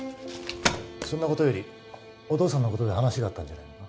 そんな事よりお義父さんの事で話があったんじゃないのか？